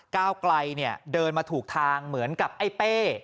ก้าวไกลเดินมาถูกทางเหมือนกับไอ้เป้